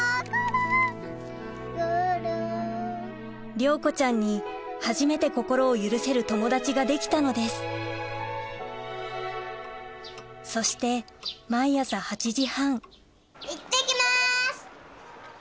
亮子ちゃんに初めて心を許せる友達ができたのですそして毎朝いってきます！